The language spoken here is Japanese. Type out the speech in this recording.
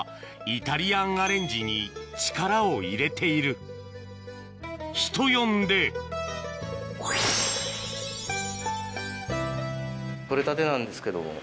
イタリアンアレンジに力を入れている人呼んで取れたてなんですけど。